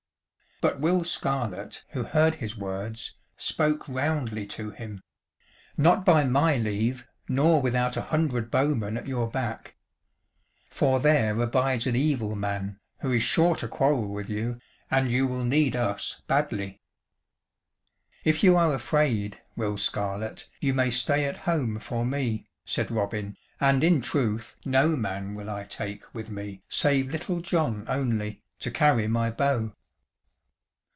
But Will Scarlett, who heard his words, spoke roundly to him. "Not by MY leave, nor without a hundred bowmen at your back. For there abides an evil man, who is sure to quarrel with you, and you will need us badly." "If you are afraid, Will Scarlett, you may stay at home, for me," said Robin, "and in truth no man will I take with me, save Little John only, to carry my bow."